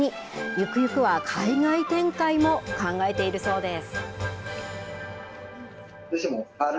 ゆくゆくは海外展開も考えているそうです。